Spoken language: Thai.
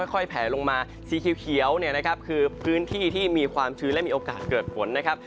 แผลลงมาสีเขียวเนี่ยนะครับคือพื้นที่ที่มีความชื้นและมีโอกาสเกิดฝนนะครับ